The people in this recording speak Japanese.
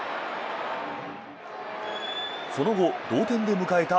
その後、同点で迎えた